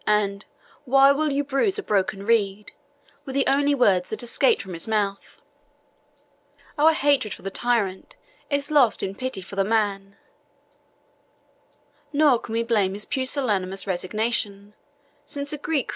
and "Why will you bruise a broken reed?" were the only words that escaped from his mouth. Our hatred for the tyrant is lost in pity for the man; nor can we blame his pusillanimous resignation, since a Greek Christian was no longer master of his life.